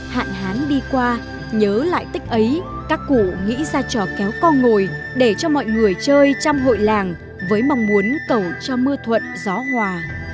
hạn hán đi qua nhớ lại tích ấy các cụ nghĩ ra trò kéo co ngồi để cho mọi người chơi trong hội làng với mong muốn cầu cho mưa thuận gió hòa